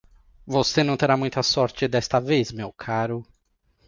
Você não terá muita sorte desta vez, meu caro.